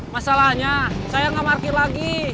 masalahnya saya gak markir lagi